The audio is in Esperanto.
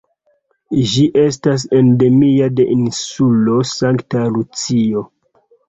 Ĝi estas endemia de Insulo Sankta Lucio.